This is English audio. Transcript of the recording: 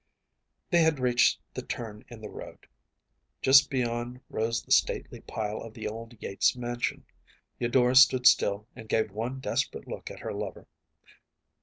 ‚ÄĚ They had reached the turn in the road. Just beyond rose the stately pile of the old Yates mansion. Eudora stood still and gave one desperate look at her lover.